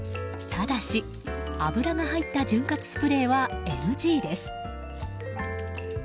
ただし、油が入った潤滑スプレーはＮＧです。